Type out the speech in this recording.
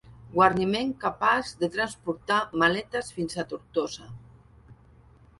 Guarniment capaç de transportar maletes fins a Tortosa.